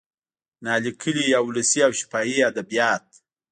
نا لیکلي یا ولسي او شفاهي ادبیات